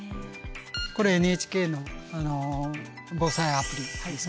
これＮＨＫの防災アプリですね。